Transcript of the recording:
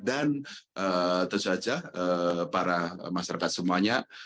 tentu saja para masyarakat semuanya